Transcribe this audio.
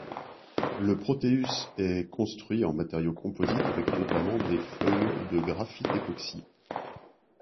Le Proteus est construit en matériau composite avec notamment des feuilles de graphite-époxy.